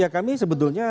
ya kami sebetulnya